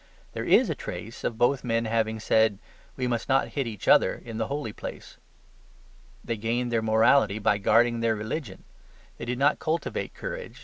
There IS a trace of both men having said, "We must not hit each other in the holy place." They gained their morality by guarding their religion. They did not cultivate courage.